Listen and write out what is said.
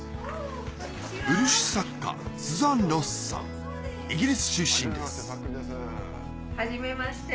漆作家スザーン・ロスさんイギリス出身ですはじめまして。